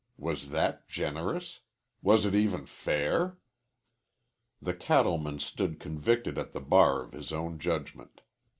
Was that generous? Was it even fair?" The cattleman stood convicted at the bar of his own judgment.